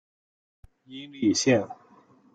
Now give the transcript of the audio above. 殷栗线